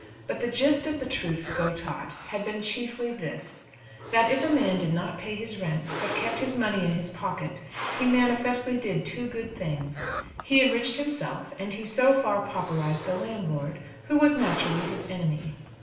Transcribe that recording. But the gist of the truths so taught had been chiefly this: that if a man did not pay his rent, but kept his money in his pocket, he manifestly did two good things; he enriched himself, and he so far pauperised the landlord, who was naturally his enemy.